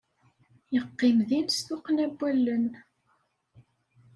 Yeqqim din s tuqqna n wallen.